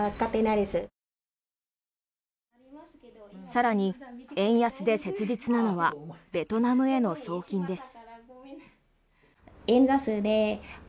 更に、円安で切実なのはベトナムへの送金です。